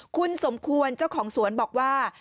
คุณสมควรเจ้าของสวนบอกว่า